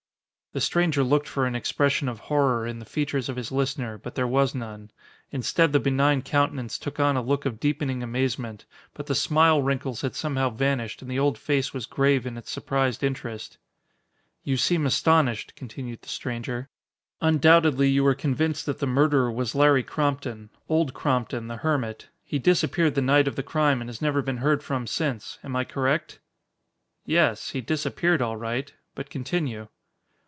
The stranger looked for an expression of horror in the features of his listener, but there was none. Instead the benign countenance took on a look of deepening amazement, but the smile wrinkles had somehow vanished and the old face was grave in its surprised interest. "You seem astonished," continued the stranger. "Undoubtedly you were convinced that the murderer was Larry Crompton Old Crompton, the hermit. He disappeared the night of the crime and has never been heard from since. Am I correct?" "Yes. He disappeared all right. But continue."